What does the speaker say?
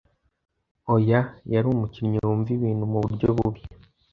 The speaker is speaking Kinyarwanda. oya, yari umukinnyi wumva ibintu mu buryo bubi,